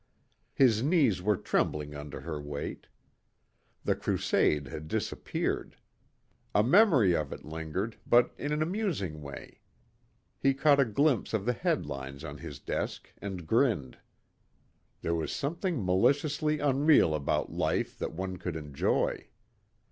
His knees were trembling under her weight. The crusade had disappeared. A memory of it lingered but in an amusing way. He caught a glimpse of the headlines on his desk and grinned. There was something maliciously unreal about life that one could enjoy.